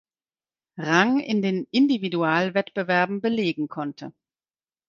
Rang in den Individualwettbewerben belegen konnte.